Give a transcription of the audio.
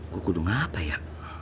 gue kudung apa ya